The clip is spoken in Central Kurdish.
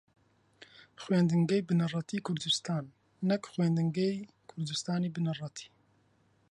خوێندنگەی بنەڕەتیی کوردستان نەک خوێندنگەی کوردستانی بنەڕەتی